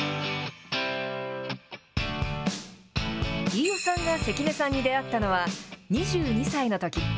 飯尾さんが関根さんに出会ったのは、２２歳のとき。